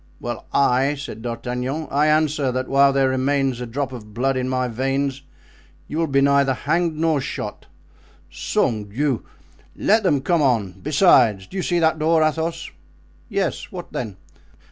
"Well, I," said D'Artagnan "I answer that while there remains a drop of blood in my veins you will be neither hanged nor shot. Sang Diou! let them come on! Besides—do you see that door, Athos?" "Yes; what then?"